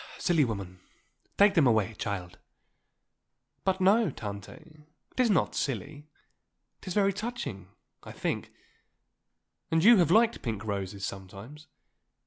"Silly woman. Take them away, child." "But no, Tante, it is not silly; it is very touching, I think; and you have liked pink roses sometimes.